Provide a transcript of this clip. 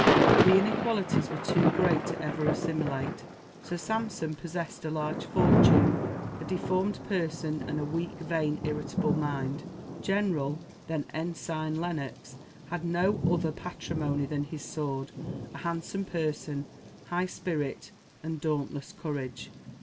But the inequalities were too great ever to assimilate. Sir Sampson possessed a large fortune, a deformed person, and a weak, vain, irritable mind. General (then Ensign) Lennox had no other patrimony than his sword a handsome person, high spirit, and dauntless courage.